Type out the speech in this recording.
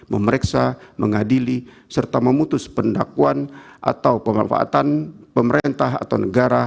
memeriksa mengadili serta memutus pendakwan atau pemanfaatan pemerintah atau negara